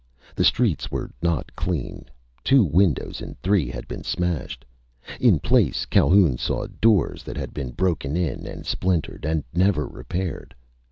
The streets were not clean. Two windows in three had been smashed. In placed Calhoun saw doors that had been broken in and splintered, and never repaired.